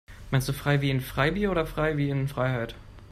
Meinst du frei wie in Freibier oder frei wie in Freiheit?